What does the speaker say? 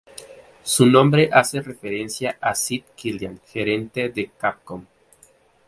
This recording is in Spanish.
Su nombre hace referencia a Seth Killian, gerente de Capcom.